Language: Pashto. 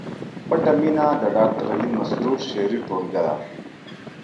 پټه مینه د ډاکټر علي مسرور شعري ټولګه ده